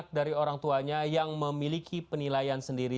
anak dari orang tuanya yang memiliki penilaian sendiri